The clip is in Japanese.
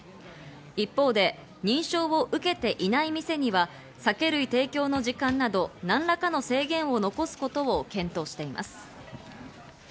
一方で認証を受けていない店には酒類提供の時間など何らかの制限を残すことを検討しています。